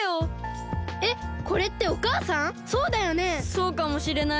そうかもしれない。